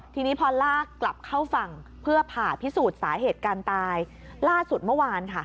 ทีนี้พอลากกลับเข้าฝั่งเพื่อผ่าพิสูจน์สาเหตุการตายล่าสุดเมื่อวานค่ะ